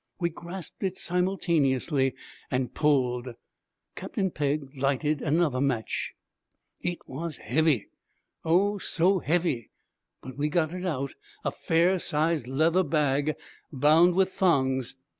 We grasped it simultaneously and pulled. Captain Pegg lighted another match. It was heavy oh, so heavy! but we got it out: a fair sized leather bag bound with thongs.